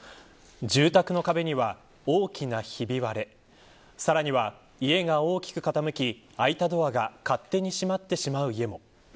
住宅の壁には大きなひび割れさらには、家が大きく傾き開いたドアが勝手に閉まってしまう家も。